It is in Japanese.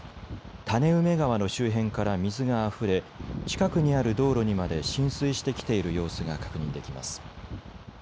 種梅川の周辺から水があふれ近くにある道路にまで浸水してきている様子が確認できます。